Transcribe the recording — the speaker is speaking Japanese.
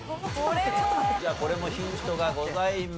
じゃあこれもヒントがございます。